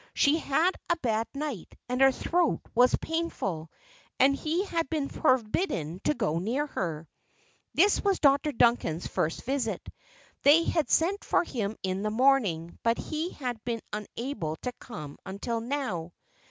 She had had a bad night, and her throat was painful, and he had been forbidden to go near her. This was Dr. Duncan's first visit. They had sent for him in the morning, but he had been unable to come until now.